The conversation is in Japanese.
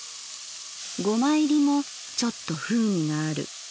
ゴマ入りもちょっと風味がある。